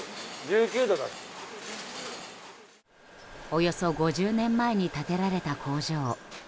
およそ５０年前に建てられた工場。